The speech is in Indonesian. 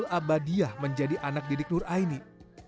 mereka tersebar di sejumlah kampung di kecamatan muara geber